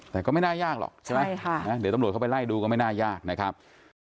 แต่ก็ไม่น่ายากหรอกใช่ไหมเดี๋ยวตำรวจเข้าไปไล่ดูก็ไม่น่ายากนะครับ